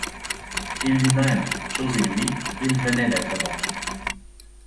Et lui-même, chose inouïe, il venait d’être bon.